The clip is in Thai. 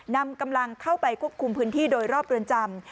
นำกำลังเข้าไปควบคุมพื้นที่โดยรอบเรือนจำ